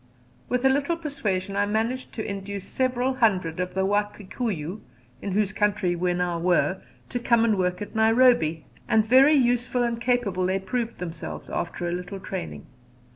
With a little persuasion I managed to induce several hundred of the Wa Kikuyu, in whose country we now were, to come and work at Nairobi, and very useful and capable they proved themselves after a little training.